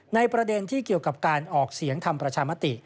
ในประเด็นที่เกี่ยวกับการออกเสียงทำประชามติ